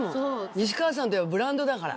西川さんといえばブランドだから。